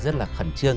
rất là khẩn trương